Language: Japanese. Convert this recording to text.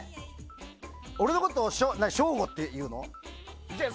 俺のことを省吾っていうの？